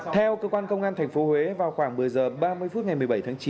theo cơ quan công an tp huế vào khoảng một mươi h ba mươi phút ngày một mươi bảy tháng chín